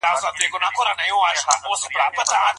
د طلاق پر مشروعيت د چا اتفاق دی؟